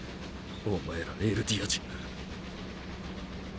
お前らエルディア人が。